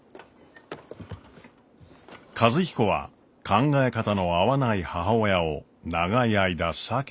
和彦は考え方の合わない母親を長い間避けてきました。